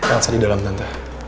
elsa di dalam tante